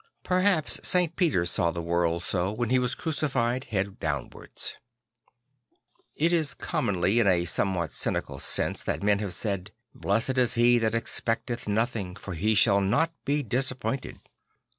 Perhaps St. Peter saw the world so, when he was crucified head downwards. It is comn10nly in a somewhat cynical sense that men have said, (( Blessed is he that expecteth nothing, for he shall not be disappointed."